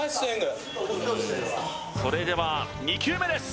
それでは２球目です